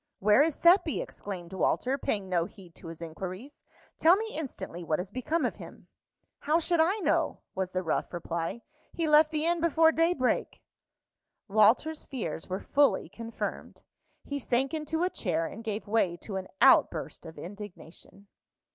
"Where is Seppi?" exclaimed Walter, paying no heed to his inquiries. "Tell me instantly what has become of him." "How should I know?" was the rough reply. "He left the inn before daybreak." Walter's fears were fully confirmed. He sank into a chair, and gave way to an outburst of indignation.